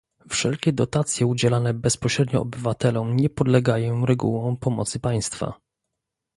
Wszelkie dotacje udzielane bezpośrednio obywatelom nie podlegają regułom pomocy państwa